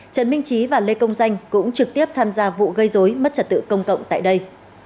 trần minh trí và lê công danh cũng trực tiếp tham gia vụ gây dối mất trật tự công cộng tại đây